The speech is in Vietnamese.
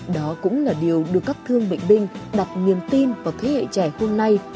đó cũng là điều được các thương bệnh binh đặt niềm tin vào thế hệ trẻ hôm nay